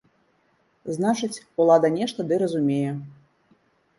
Значыць, улада нешта ды разумее.